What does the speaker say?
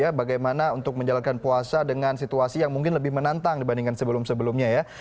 jadi bagaimana cara kita menjalankan puasa dengan situasi yang mungkin lebih menantang dibandingkan sebelum sebelumnya ya